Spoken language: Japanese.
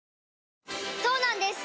そうなんです